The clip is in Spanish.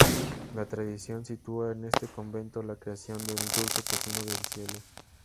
La tradición sitúa en este convento la creación del dulce tocino de cielo.